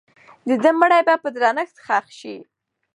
د دې مړي به په درنښت ښخ سي.